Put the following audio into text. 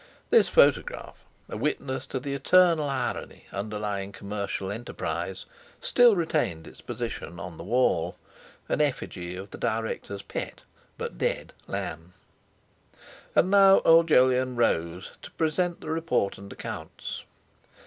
This photograph—a witness to the eternal irony underlying commercial enterprise—still retained its position on the wall, an effigy of the directors' pet, but dead, lamb. And now old Jolyon rose, to present the report and accounts.